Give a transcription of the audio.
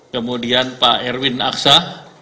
kemudian pak erwin aksa